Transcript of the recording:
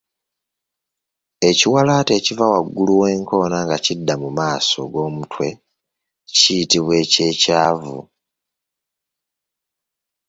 Ekiwalaata ekiva waggulu w’enkoona nga kidda mu maaso g’omutwe kiyitibwa eky’ekyavu.